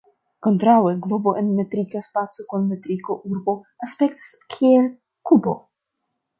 Kontraŭe, globo en metrika spaco kun metriko "urbo" aspektas kiel kubo.